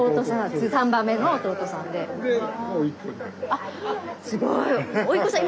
あっすごい！